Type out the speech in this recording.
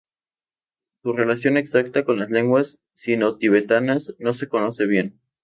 Su relación exacta con las lenguas sino-tibetanas no se conoce bien.